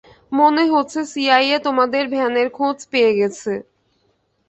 মনে হচ্ছে সিআইএ তোমাদের ভ্যানের খোঁজ পেয়ে গেছে।